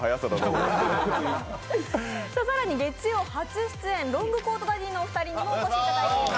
更に月曜初出演、ロングコートダディのお二人にもお越しいただいています。